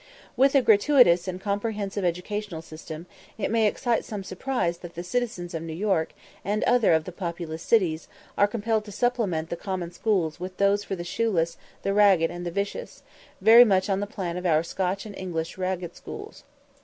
With a gratuitous and comprehensive educational system, it may excite some surprise that the citizens of New York and other of the populous cities are compelled to supplement the common schools with those for the shoeless, the ragged, and the vicious, very much on the plan of our Scotch and English ragged schools.